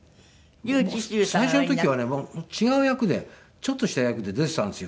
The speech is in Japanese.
最初の時はね違う役でちょっとした役で出ていたんですよ